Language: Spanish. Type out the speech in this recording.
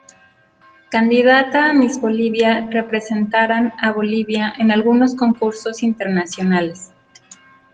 Candidata a Miss Bolivia representaran a Bolivia en algunos concursos internacionales.